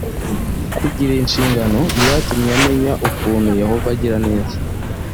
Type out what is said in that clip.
kugira inshingano byatumye amenya ukuntu yehova agira neza